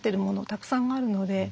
たくさんあるので。